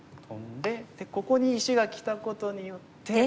でここに石がきたことによって。